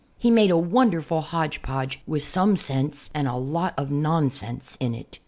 He made a wonderful hodge podge with some sense and a lot of nonsense in it.